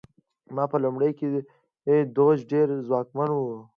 په لومړیو کې دوج ډېر ځواکمن و.